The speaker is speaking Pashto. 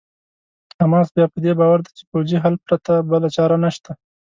حماس بیا په دې باور دی چې پوځي حل پرته بله چاره نشته.